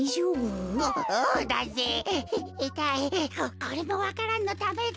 ここれもわか蘭のためだ。